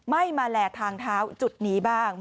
ไม่มาแลกทางเท้าสักอย่างจุดหนีบ้าง